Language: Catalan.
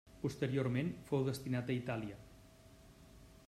Posteriorment fou destinat a Itàlia.